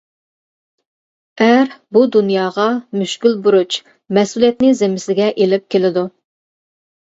ئەر بۇ دۇنياغا مۈشكۈل بۇرچ، مەسئۇلىيەتنى زىممىسىگە ئېلىپ كېلىدۇ.